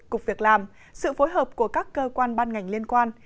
cục việc làm sự phối hợp của các cơ quan ban ngành liên quan